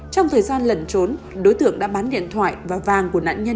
trong thời gian lẩn trốn đối tượng đã bán điện thoại và vàng của nạn nhân